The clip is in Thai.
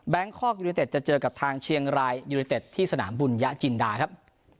คอกยูนิเต็ดจะเจอกับทางเชียงรายยูนิเต็ดที่สนามบุญญะจินดาครับ